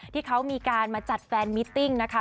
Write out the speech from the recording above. ที่เขามีการมาจัดแฟนมิตติ้งนะคะ